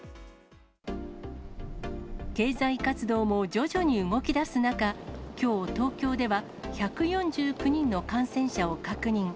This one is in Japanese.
経済活動も徐々に動きだす中、きょう、東京では１４９人の感染者を確認。